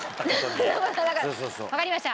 わかりました。